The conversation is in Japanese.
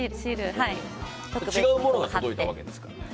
違うものが届いたわけですからね。